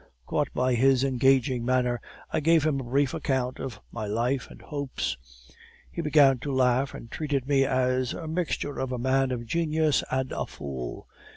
Caught by his engaging manner, I gave him a brief account of my life and hopes; he began to laugh, and treated me as a mixture of a man of genius and a fool.